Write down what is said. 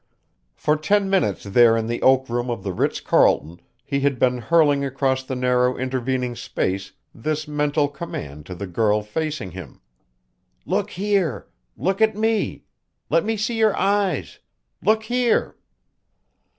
For ten minutes there in the Oak Room of the Ritz Carlton he had been hurling across the narrow intervening space this mental command to the girl facing him: "Look here! Look at me! Let me see your eyes! Look here!"